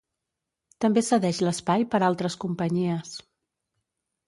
També cedeix l'espai per altres companyies.